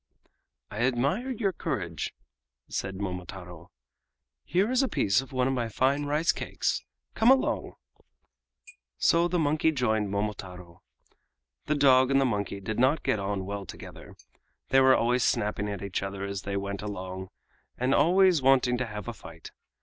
"I admire your courage," said Momotaro. "Here is a piece of one of my fine rice cakes. Come along!" So the monkey joined Momotaro. The dog and the monkey did not get on well together. They were always snapping at each other as they went along, and always wanting to have a fight.